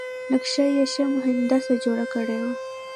نقشه یې ښه مهندس جوړه کړې وه.